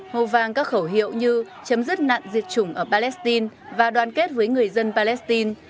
hồ vang các khẩu hiệu như chấm dứt nạn diệt chủng ở palestine và đoàn kết với người dân palestine